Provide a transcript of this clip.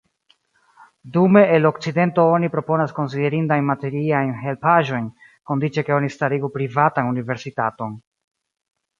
Dume el Okcidento oni proponas konsiderindajn materiajn helpaĵojn, kondiĉe ke oni starigu privatan universitaton.